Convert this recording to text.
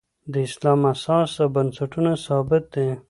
د اسلام اساس او بنسټونه ثابت دي.